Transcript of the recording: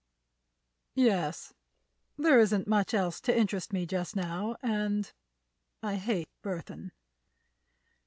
"Yes; there isn't much else to interest me just now, and—I hate Burthon."